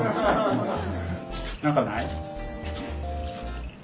何かない？